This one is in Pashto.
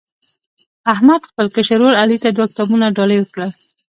احمد خپل کشر ورر علي ته دوه کتابونه ډالۍ کړل.